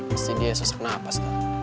pasti dia susah napas